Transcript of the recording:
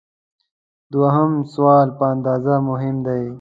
دوهم سوال په اندازه مهم دی.